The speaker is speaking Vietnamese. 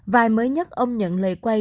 vài mới nhất ông nhận lời quay